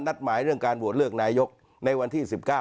นัดหมายเรื่องการโหวตเลือกนายกในวันที่๑๙